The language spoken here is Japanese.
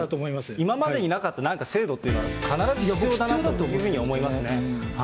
今までになかった、なんか制度というのは、必ず必要だなというふうに思いますね。